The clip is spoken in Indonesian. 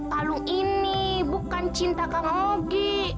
kalung ini bukan cinta kak ngoge